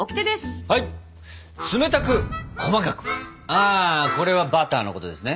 あこれはバターのことですね？